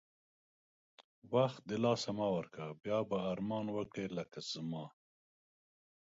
وخت د لاسه مه ورکوی بیا ارمان وکړی لکه زما